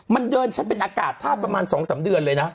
มันเดินมาเป็นอากาศทาพประมาณสองสามเดือนเลยนะ